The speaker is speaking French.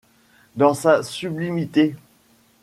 Dans sa sublimité